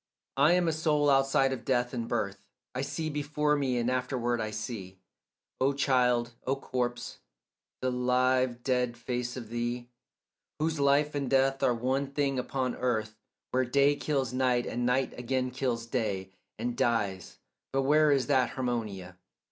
I am a soul outside of death and birth. I see before me and afterward I see, O child, O corpse, the live dead face of thee, Whose life and death are one thing upon earth Where day kills night and night again kills day And dies; but where is that Harmonia?